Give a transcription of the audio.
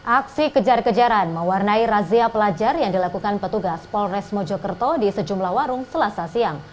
aksi kejar kejaran mewarnai razia pelajar yang dilakukan petugas polres mojokerto di sejumlah warung selasa siang